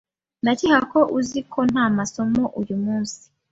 Ndakeka ko uzi ko nta masomo uyumunsi.